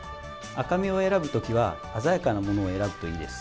赤身を選ぶときは鮮やかなものを選ぶといいです。